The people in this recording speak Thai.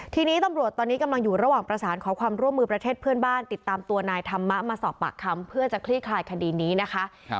ทีนี้ตำรวจตอนนี้กำลังอยู่ระหว่างประสานขอความร่วมมือประเทศเพื่อนบ้านติดตามตัวนายธรรมะมาสอบปากคำเพื่อจะคลี่คลายคดีนี้นะคะ